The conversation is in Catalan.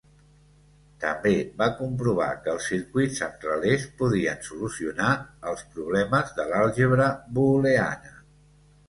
També va comprovar que els circuits amb relés podien solucionar els problemes de l'àlgebra booleana.